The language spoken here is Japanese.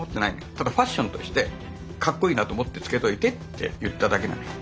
ただファッションとしてかっこいいなと思ってつけといてって言っただけなのよ。